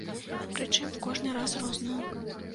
Прычым кожны раз розную.